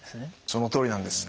そのとおりなんです。